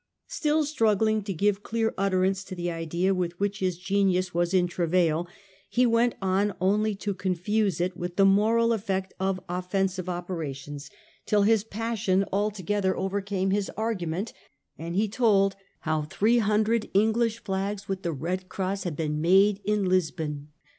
Still struggling to give clear utterance to the idea with which his genius was in travail, he went on only to confuse it with the moral effect of offensive operations till his passion altogether overcame his argument, and he told how three hundred English flags with the red cross had been made in Lisbon.